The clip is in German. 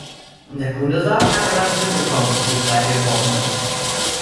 Der Kunde sagt, er habe gar nicht mitbekommen, wie die Speiche gebrochen ist.